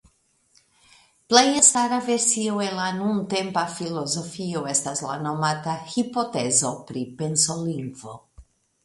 Plej elstara versio en la nuntempa filozofio estas la nomata "hipotezo pri pensolingvo".